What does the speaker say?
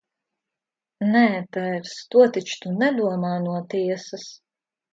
Nē, tēvs, to taču tu nedomā no tiesas!